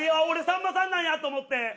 俺さんまさんなんやと思って。